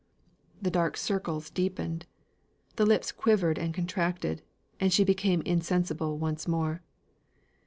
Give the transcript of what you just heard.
The dark circles deepened, the lips quivered and contracted, and she became insensible once more.